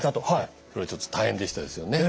これちょっと大変でしたですよね。